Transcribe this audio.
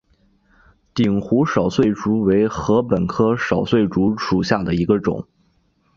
鼎湖少穗竹为禾本科少穗竹属下的一个种。